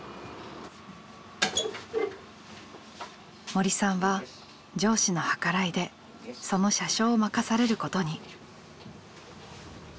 森さんは上司の計らいでその車掌を任されることに。